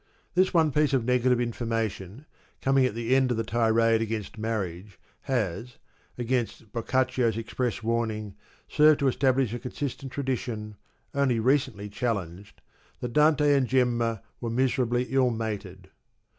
This one piece of negative information, coming at the end of the tirade against marriage, has (against Boccaccio's express warn ing) served to establish a consistent tradition, only recently challenged, that Dante and Gemma were miserably ill mated.